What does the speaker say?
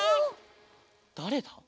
だれだ？